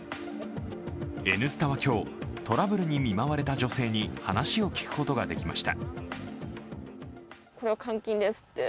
「Ｎスタ」は今日、トラブルに見舞われた女性に話を聞くことができました。